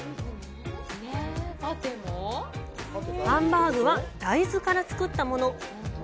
ハンバーグは大豆から作ったもの。